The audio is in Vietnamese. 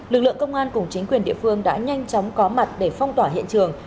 lực lượng công an cùng chính quyền địa phương đã nhanh chóng có mặt để phong tỏa hiện trường